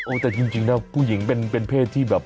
แต่จริงนะผู้หญิงเป็นเพศที่แบบ